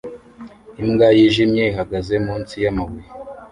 Imbwa yijimye ihagaze munsi yamabuye